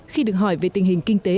khi được hỏi về tình hình kinh tế